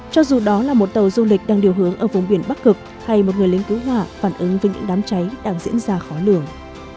cho dù đó là một tàu du lịch đang điều hướng ở vùng biển bắc cực hay một người lính cứu hỏa phản ứng với những đám cháy đang diễn ra khó lường